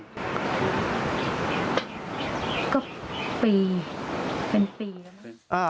ก็ปีเป็นปีแล้วนะ